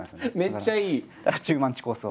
めっちゃいい！中馬ちコースを。